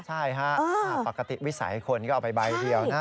ใช่ฮะปกติวิสัยคนก็เอาไปใบเดียวนะ